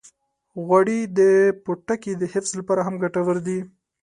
غوړې د پوټکي د حفظ لپاره هم ګټورې دي.